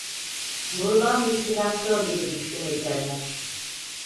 Vurulan bir silahşor gibi düştü heykeller…